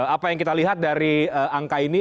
apa yang kita lihat dari angka ini